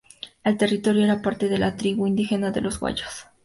El territorio era parte de la tribu indígena de los Guayos.